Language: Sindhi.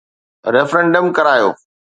ريفرنڊم ڪرايو.